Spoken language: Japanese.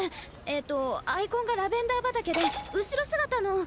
えっとアイコンがラベンダー畑で後ろ姿の。